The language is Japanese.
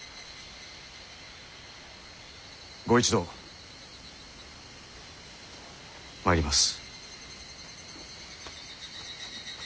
御一同参ります。